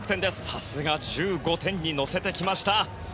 さすが１５点に乗せてきました。